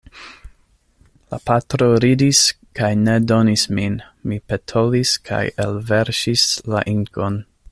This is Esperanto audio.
La patro ridis kaj ne donis min, mi petolis kaj elverŝis la inkon.